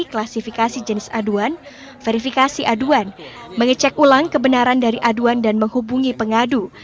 satu memasifikasi jenis aduan dua verifikasi aduan tiga mengecek ulang kebenaran dari aduan dan menghubungi pengadu